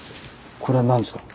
これは何ですか？